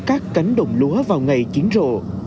các cánh đồng lúa vào ngày chiến rộ